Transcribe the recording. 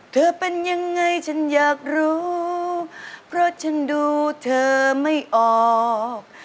เธอเป็นยังไงฉันอยากรู้เพราะฉันดูเธอไม่ออก